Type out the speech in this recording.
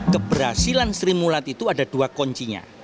keberhasilan seri mulat itu ada dua koncinya